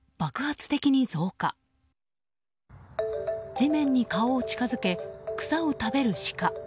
地面に顔を近づけ草を食べるシカ。